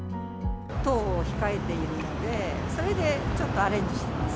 糖を控えているので、それでちょっとアレンジしてます。